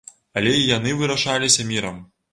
Але і яны вырашаліся мірам.